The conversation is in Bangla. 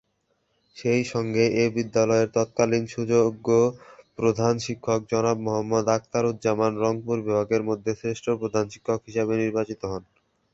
সেই সঙ্গে এ বিদ্যালয়ের তৎকালীন সুযোগ্য প্রধান শিক্ষক জনাব মোহাম্মদ আখতারুজ্জামান রংপুর বিভাগের মধ্যে শ্রেষ্ঠ প্রধান শিক্ষক হিসেবে নির্বাচিত হন।